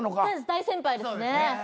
大先輩ですね。